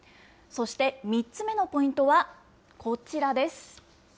そして３つ目のポイントはこちらです。